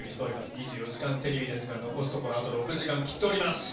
２４時間テレビですが、残すところあと６時間を切っています。